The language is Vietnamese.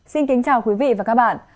xin kính chào quý vị và các bạn